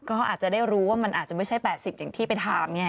ก็อาจจะได้รู้ว่ามันอาจจะไม่ใช่๘๐อย่างที่ไปถามไง